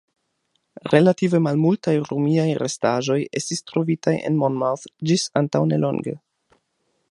Relative malmultaj Romiaj restaĵoj estis trovitaj en Monmouth ĝis antaŭ nelonge.